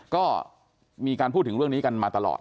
ก็มีการพูดถึงเรื่องนี้กันมาตลอด